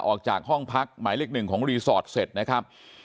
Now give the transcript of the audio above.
ออกจากห้องพักหมายเลขหนึ่งของรีสอร์ทเสร็จนะครับ